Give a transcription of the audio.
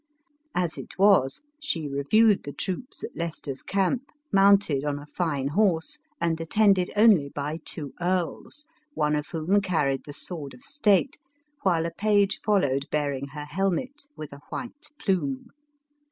As it was, she reviewed the troops at Leicester's camp, mounted on a fine horse, and attended only by two earls, one of whom carried the sword of state, while a page followed bearing her helmet, with a white plume.